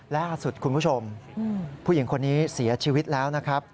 ล่าสุดคุณผู้ชมผู้หญิงคนนี้เสียชีวิตแล้วนะครับ